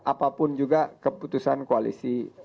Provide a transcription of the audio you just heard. apapun juga keputusan koalisi